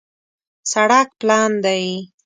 سړک پلن دی